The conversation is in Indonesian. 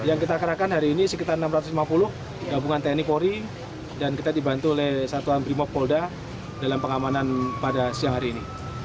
yang kita kerahkan hari ini sekitar enam ratus lima puluh gabungan tni polri dan kita dibantu oleh satuan brimopolda dalam pengamanan pada siang hari ini